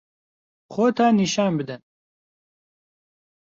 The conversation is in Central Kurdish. خۆتان نیشان بدەن.